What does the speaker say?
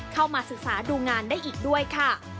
เข้ามาศึกษาดูงานได้อีกด้วยค่ะ